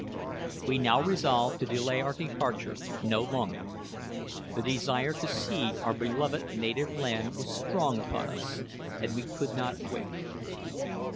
We now resolved to delay our departure no longer. The desire to see our beloved native land was strong upon us, and we could not wait.